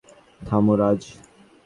থামো, রাজ।